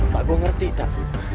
pak gue ngerti tak